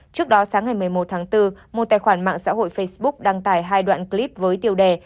trước đó sáng ngày một mươi một tháng bốn một tài khoản mạng xã hội facebook đăng tải hai đoạn clip với tiêu đề